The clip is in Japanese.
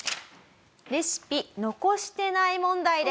レシピ残してない問題です。